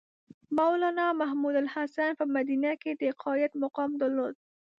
مولنا محمودالحسن په مدینه کې د قاید مقام درلود.